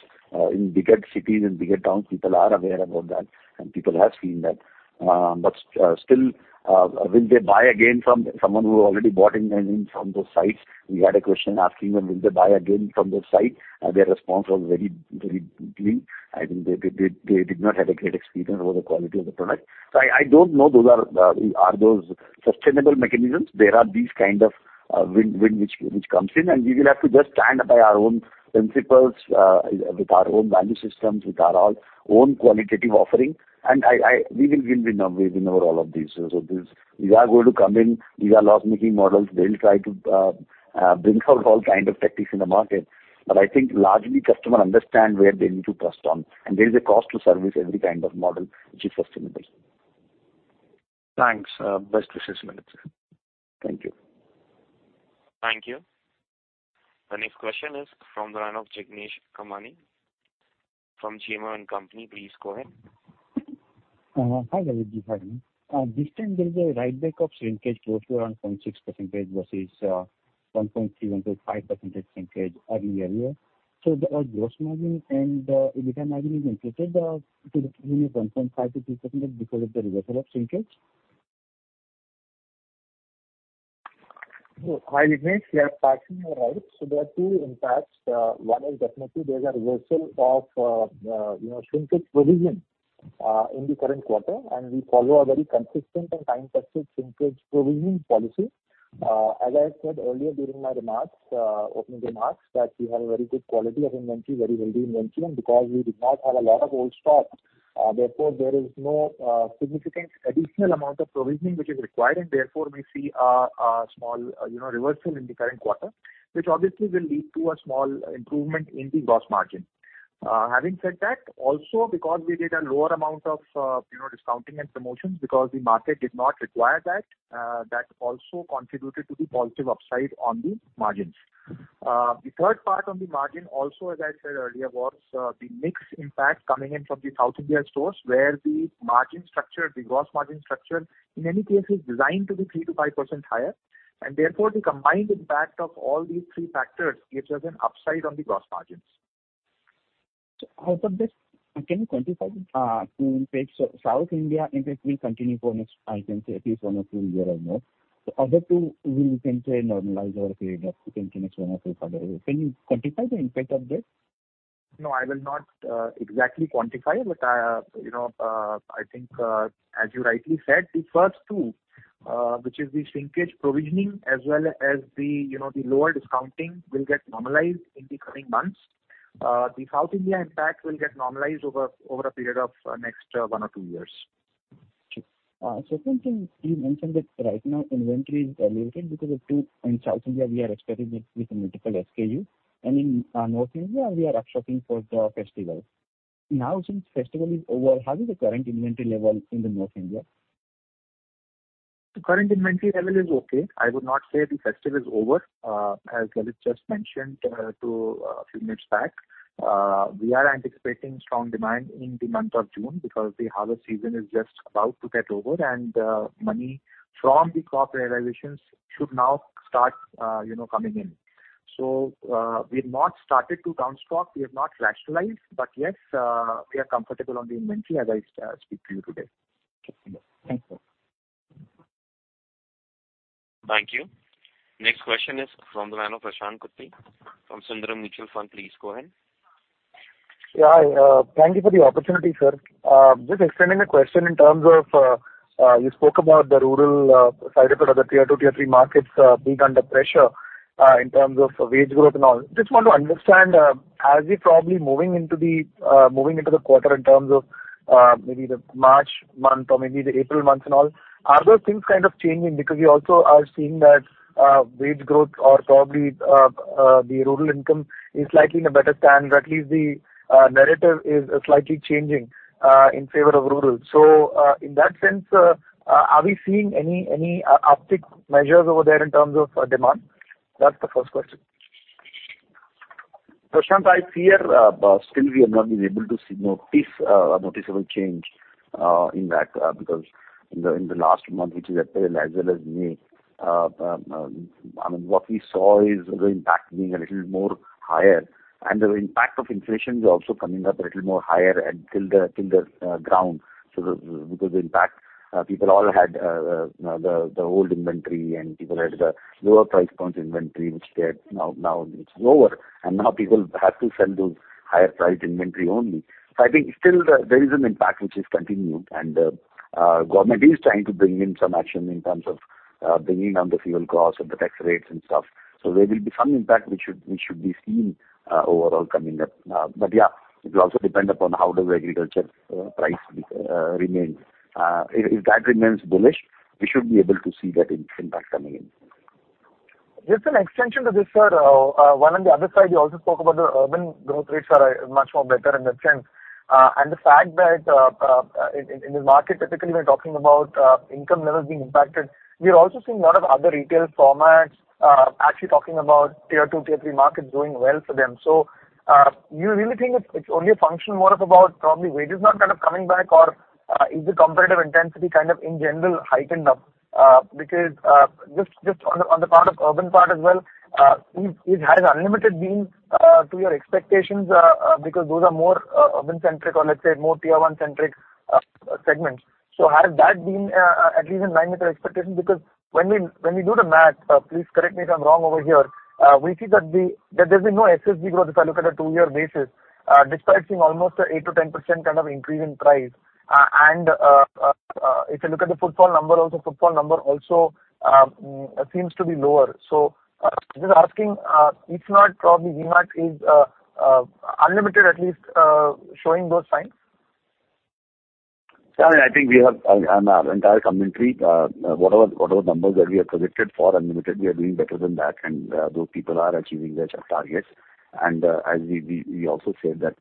In bigger cities and bigger towns, people are aware about that and people have seen that. Still, will they buy again from someone who already bought from those sites? We had a question asking them, will they buy again from those sites? Their response was very clean. I think they did not have a great experience about the quality of the product. I don't know. Are those sustainable mechanisms? There are these kind of winds which come in, and we will have to just stand by our own principles with our own value systems, with our own qualitative offering. We will win over all of these. These are going to come in, these are loss-making models. They'll try to bring out all kind of tactics in the market. I think largely customers understand where they need to trust on, and there is a cost to service every kind of model which is sustainable. Thanks. Best wishes, Lalit sir. Thank you. Thank you. The next question is from the line of Jignesh Kamani from JM Financial. Please go ahead. Hi, Rajeev. Hi. This time there is a writeback of shrinkage close to around 0.6% versus 1.31%-5% shrinkage earlier. Our gross margin and EBITDA margin is increased to the tune of 1.5%-2% because of the reversal of shrinkage? Hi, Jignesh. Yeah, partially you're right. There are two impacts. One is definitely there's a reversal of you know shrinkage provision in the current quarter, and we follow a very consistent and time-tested shrinkage provisioning policy. As I said earlier during my remarks, opening remarks, that we have a very good quality of inventory, very healthy inventory, and because we did not have a lot of old stock, therefore there is no significant additional amount of provisioning which is required, and therefore we see a small you know reversal in the current quarter, which obviously will lead to a small improvement in the gross margin. Having said that, also because we did a lower amount of, you know, discounting and promotions because the market did not require that also contributed to the positive upside on the margins. The third part on the margin also, as I said earlier, was the mix impact coming in from the South India stores, where the margin structure, the gross margin structure in many cases designed to be 3%-5% higher. Therefore, the combined impact of all these three factors gives us an upside on the gross margins. Out of this, can you quantify South India impact will continue for next, I can say at least one or two year or more. The other two will, you say, normalize over a period of within the next one or two quarter. Can you quantify the impact of this? No, I will not exactly quantify, but I, you know, I think, as you rightly said, the first two, which is the shrinkage provisioning as well as the, you know, the lower discounting will get normalized in the coming months. The South India impact will get normalized over a period of next one or two years. Okay. Second thing, you mentioned that right now inventory is elevated because of two. In South India we are expecting with multiple SKU, and in North India we are stocking up for the festival. Now, since festival is over, how is the current inventory level in North India? The current inventory level is okay. I would not say the festival is over. As Lalit just mentioned a few minutes back, we are anticipating strong demand in the month of June because the harvest season is just about to get over and money from the crop realizations should now start you know coming in. We've not started to down stock. We have not rationalized. Yes, we are comfortable on the inventory as I speak to you today. Thank you. Thank you. Next question is from the line of Prashant Kutty from Sundaram Mutual Fund. Please go ahead. Yeah. Thank you for the opportunity, sir. Just extending the question in terms of you spoke about the rural side of it or the Tier 2, Tier 3 markets being under pressure in terms of wage growth and all. Just want to understand as we're probably moving into the quarter in terms of maybe the March month or maybe the April months and all, are those things kind of changing? Because we also are seeing that wage growth or probably the rural income is likely in better stead, or at least the narrative is slightly changing in favor of rural. In that sense, are we seeing any uptick measures over there in terms of demand? That's the first question. Prashant, I fear still we have not been able to see noticeable change in that because in the last month, which is April as well as May, I mean, what we saw is the impact being a little more higher and the impact of inflation is also coming up a little more higher and to the ground. The impact because people all had you know the old inventory and people had the lower price points inventory which they're now it's lower and now people have to sell those higher priced inventory only. I think still there is an impact which is continued. Government is trying to bring in some action in terms of bringing down the fuel costs or the tax rates and stuff. There will be some impact which should be seen overall coming up. Yeah, it will also depend upon how the agricultural price remains. If that remains bullish, we should be able to see that impact coming in. Just an extension to this, sir. One on the other side, you also spoke about the urban growth rates are much more better in that sense. The fact that in the market typically we're talking about income levels being impacted. We are also seeing lot of other retail formats actually talking about Tier 2, Tier 3 markets doing well for them. You really think it's only a function more of about probably wages now kind of coming back or is the competitive intensity kind of in general heightened up? Because just on the urban part as well, has Unlimited been to your expectations because those are more urban centric or let's say more Tier 1 centric segments. Has that been at least in line with your expectation? Because when we do the math, please correct me if I'm wrong over here, we see that there's been no SSG growth if I look at a two-year basis, despite seeing almost an 8%-10% kind of increase in price. And if you look at the footfall number also, seems to be lower. Just asking if not, probably V-Mart is Unlimited at least showing those signs. Yeah, I mean, I think we have on our entire commentary, whatever numbers that we have projected for Unlimited, we are doing better than that. Those people are achieving their targets. As we also said that,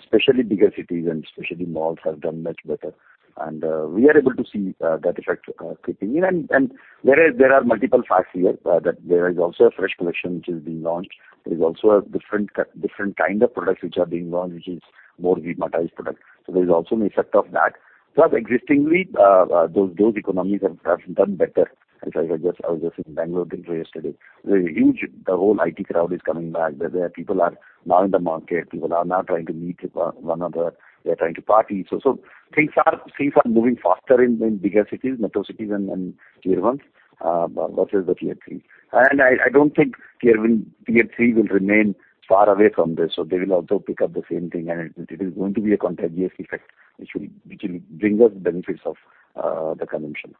especially bigger cities and especially malls have done much better. We are able to see that effect kicking in. There are multiple facts here that there is also a fresh collection which is being launched. There is also a different kind of products which are being launched, which is more V-Martized product. There is also an effect of that. Plus existingly, those economies have done better. I was just in Bangalore till yesterday. The whole IT crowd is coming back. The people are now in the market. People are now trying to meet with one another. They're trying to party. Things are moving faster in bigger cities, metro cities and Tier 1 versus the Tier 3. I don't think Tier 3 will remain far away from this. They will also pick up the same thing and it is going to be a contagious effect which will bring us benefits of the consumption.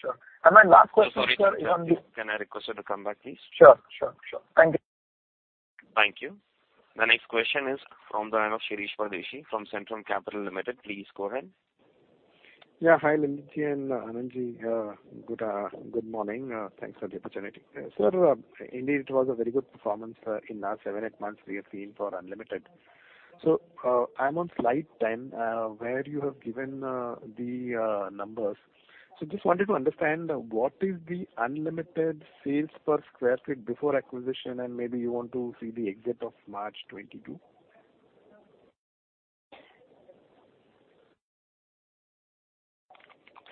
Sure. My last question, sir, is on the- Sorry to interrupt. Can I request you to come back, please? Sure. Thank you. Thank you. The next question is from the line of Shirish Pardeshi from Centrum Capital Limited. Please go ahead. Yeah. Hi, Lalit and Anand. Good morning. Thanks for the opportunity. Sir, indeed it was a very good performance in last seven, eight months we have seen for Unlimited. I'm on slide 10, where you have given the numbers. Just wanted to understand what is the Unlimited sales per sq ft before acquisition and maybe you want to see the exit of March 2022?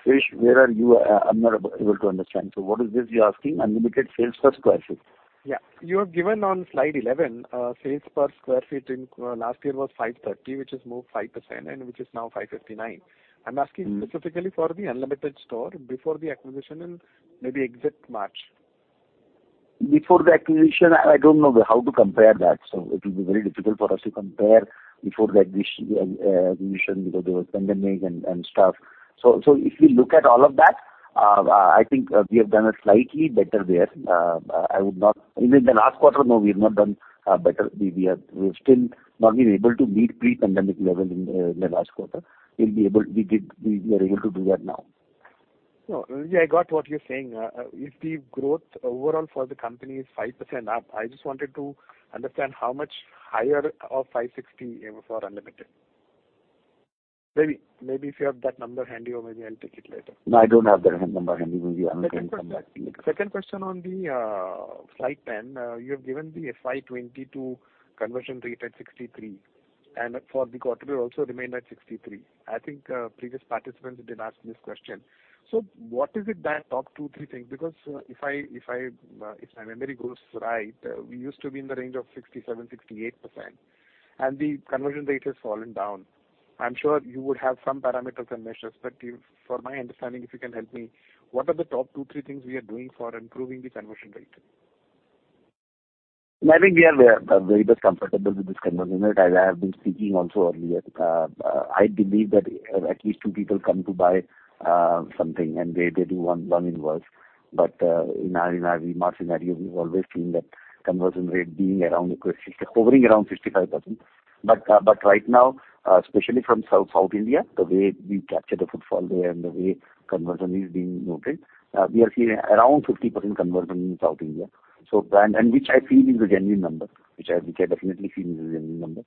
Shirish, where are you? I'm not able to understand. What is this you're asking, Unlimited sales per sq ft? Yeah. You have given on slide 11, sales per sq ft in last year was 530, which has moved 5%, and which is now 559. Mm-hmm. I'm asking specifically for the Unlimited store before the acquisition and maybe exit March. Before the acquisition, I don't know how to compare that. It will be very difficult for us to compare before the acquisition because there was pandemic and stuff. If you look at all of that, I think we have done a slightly better there. I would not. Even the last quarter, no, we've not done better. We've still not been able to meet pre-pandemic level in the last quarter. We are able to do that now. Yeah, I got what you're saying. If the growth overall for the company is 5% up, I just wanted to understand how much higher of 560 aim for Unlimited. Maybe if you have that number handy or maybe I'll take it later. No, I don't have that number handy with me. Unlimited number Second question. Second question on the slide 10. You have given the FY 2022 conversion rate at 63%, and for the quarter it also remained at 63%. I think previous participants did ask this question. What is it that top two, three things? Because if my memory goes right, we used to be in the range of 67%-68%, and the conversion rate has fallen down. I'm sure you would have some parameters and measures. For my understanding, if you can help me, what are the top two, three things we are doing for improving the conversion rate? I think we are very much comfortable with this conversion rate, as I have been speaking also earlier. I believe that at least two people come to buy something, and they do one invoice. In our V-Mart scenario, we've always seen that conversion rate being around or close to 60, hovering around 65%. Right now, especially from South India, the way we capture the footfall there and the way conversion is being noted, we are seeing around 50% conversion in South India. Which I feel is a genuine number, which I definitely feel is a genuine number.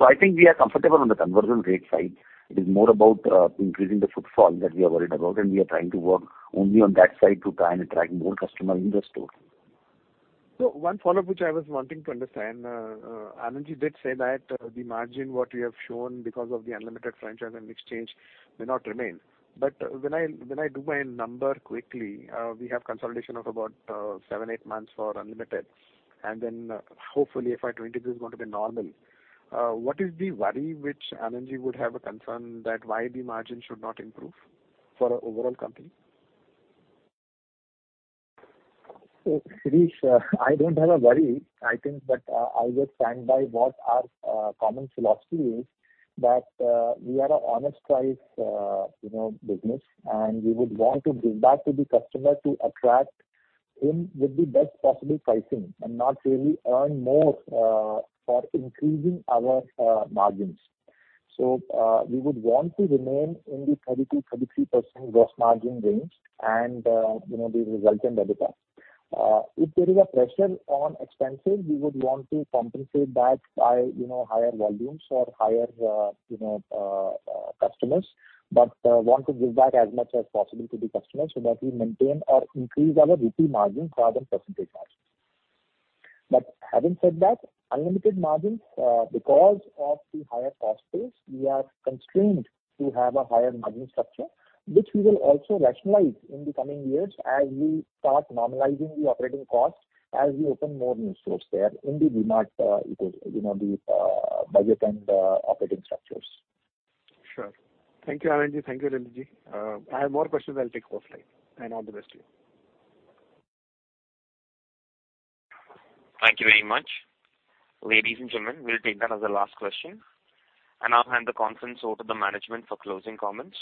I think we are comfortable on the conversion rate side. It is more about increasing the footfall that we are worried about, and we are trying to work only on that side to try and attract more customer in the store. One follow-up which I was wanting to understand, Anand Agarwal did say that the margin what we have shown because of the Unlimited franchise and expansion may not remain. When I do my number quickly, we have consolidation of about 7-8 months for Unlimited, and then hopefully FY 2023 is going to be normal. What is the worry which Anand Agarwal would have a concern that why the margin should not improve for our overall company? Shirish, I don't have a worry. I think that I will stand by what our common philosophy is that we are an honest price you know business, and we would want to give back to the customer to attract him with the best possible pricing and not really earn more for increasing our margins. We would want to remain in the 32%-33% gross margin range and you know the resultant EBITDA. If there is a pressure on expenses, we would want to compensate that by you know higher volumes or higher you know customers, but want to give back as much as possible to the customers so that we maintain or increase our rupee margin rather than percentage margin. Unlimited margins, because of the higher cost base, we are constrained to have a higher margin structure, which we will also rationalize in the coming years as we start normalizing the operating costs, as we open more new stores there in the V-Mart, you know, the budget and operating structures. Sure. Thank you, Anand. Thank you, Renuji. I have more questions I'll take offline. All the best to you. Thank you very much. Ladies and gentlemen, we'll take that as the last question. I'll hand the conference over to the management for closing comments.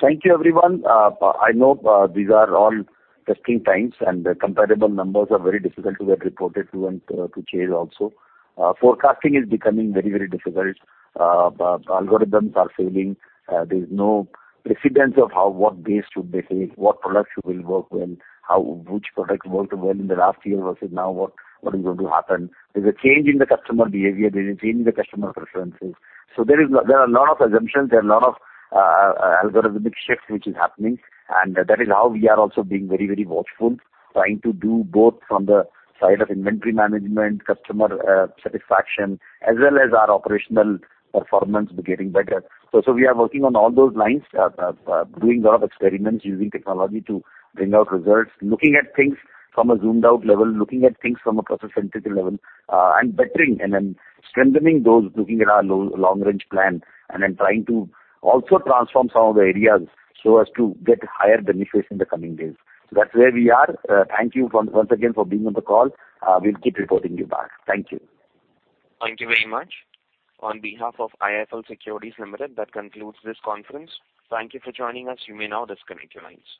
Thank you everyone. I know these are all testing times and the comparable numbers are very difficult to get reported, to change also. Forecasting is becoming very difficult. Algorithms are failing. There's no precedent of how what base should they take, what products will work well, how which products worked well in the last year versus now what is going to happen. There's a change in the customer behavior. There's a change in the customer preferences. There are a lot of assumptions. There are a lot of algorithmic shift which is happening. That is how we are also being very watchful, trying to do best from the side of inventory management, customer satisfaction, as well as our operational performance being getting better. We are working on all those lines, doing a lot of experiments using technology to bring out results, looking at things from a zoomed out level, looking at things from a process-centric level, and bettering and then strengthening those, looking at our long range plan and then trying to also transform some of the areas so as to get higher benefits in the coming days. That's where we are. Thank you once again for being on the call. We'll keep reporting back to you. Thank you. Thank you very much. On behalf of IIFL Securities Limited, that concludes this conference. Thank you for joining us. You may now disconnect your lines.